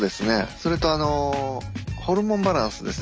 それとあのホルモンバランスですね。